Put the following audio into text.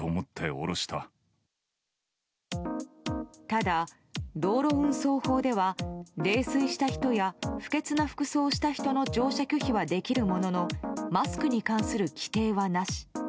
ただ、道路運送法では泥酔した人や不潔な服装をした人の乗車拒否はできるもののマスクに関する規定はなし。